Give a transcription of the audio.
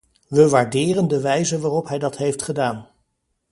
We waarderen de wijze waarop hij dat heeft gedaan.